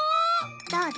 どうぞ。